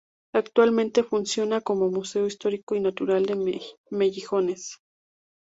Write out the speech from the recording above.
Actualmente funciona como Museo histórico y Natural de Mejillones.